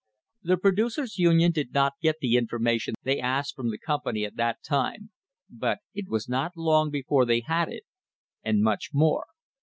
The Producers' Union did not get the information they asked from the company at that time, but it was not long before they had it, and much more.